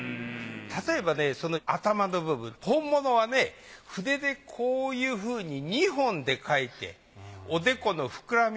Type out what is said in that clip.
例えばその頭の部分本物はね筆でこういうふうに２本で描いておでこの膨らみを表してる。